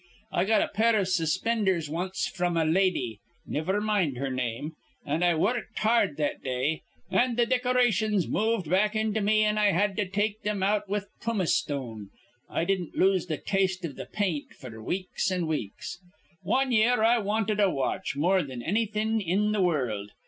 I got a pair iv suspinders wanst fr'm a lady, niver mind her name, an' I wurruked hard that day; an' th' decorations moved back into me, an' I had to take thim out with pumice stone. I didn't lose th' taste iv th' paint f'r weeks an' weeks. "Wan year I wanted a watch more thin annything in th' wurruld.